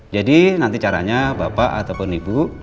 jadi nanti caranya bapak ataupun ibu